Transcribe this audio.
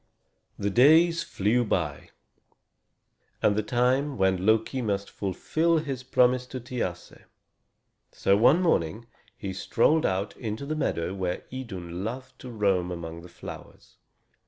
The days flew by, and the time came when Loki must fulfill his promise to Thiasse. So one morning he strolled out into the meadow where Idun loved to roam among the flowers.